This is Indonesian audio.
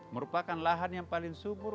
merupakan lahan yang paling subur